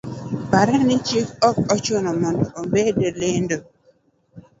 Par ni chik okochuno mondo obed lendo,